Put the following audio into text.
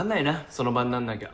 その場になんなきゃ。